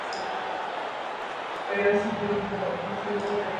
Segundo hijo de Juan de Orleans, conde de Angulema, y de Margarita de Rohan.